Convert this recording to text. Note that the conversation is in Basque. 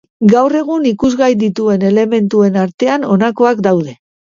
Gaur egun ikusgai dituen elementuen artean honakoak daude.